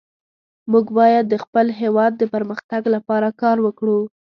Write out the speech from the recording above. موږ باید د خپل هیواد د پرمختګ لپاره کار وکړو